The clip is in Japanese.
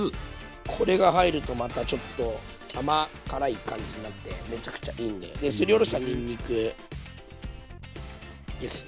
これが入るとまたちょっと甘辛い感じになってめちゃくちゃいいんで。ですりおろしたにんにくですね。